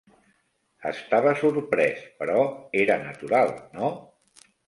Estava sorprès, però era natural, no?